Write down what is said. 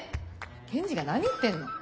検事が何言ってんの。